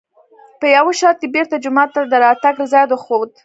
په یوه شرط یې بېرته جومات ته د راتګ رضایت وښود.